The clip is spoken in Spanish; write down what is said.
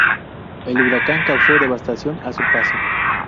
El huracán causó devastación a su paso.